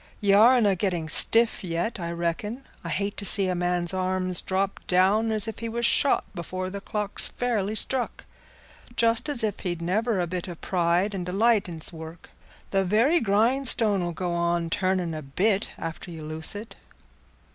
Ye arena getting stiff yet, I reckon. I hate to see a man's arms drop down as if he was shot, before the clock's fairly struck, just as if he'd never a bit o' pride and delight in 's work. The very grindstone 'ull go on turning a bit after you loose it."